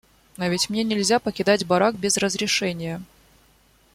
А ведь мне нельзя покидать барак без разрешения.